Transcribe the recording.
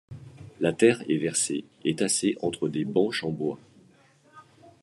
La terre est versée et tassée entre des banches en bois.